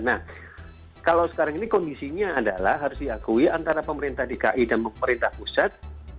nah kalau sekarang ini kondisinya adalah harus diakui antara pemerintah dki dan pemerintah pusat